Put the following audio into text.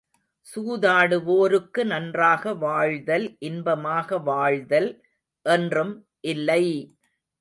சூதாடுவோருக்கு நன்றாக வாழ்தல், இன்பமாக வாழ்தல் என்றும் இல்லை!